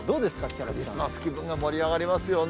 クリスマス気分が盛り上がりますよね。